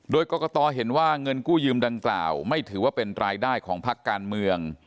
โดยกรกตเห็นว่าเงินกู้ยืมดังกล่าวไม่ถือว่าเป็นรายได้ของพักการเมือง